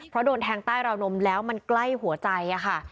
เพราะโดนแทงใต้ราวนมแล้วมันใกล้หัวใจค่ะ